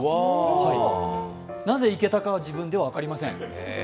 なぜいけたかは自分では分かりません。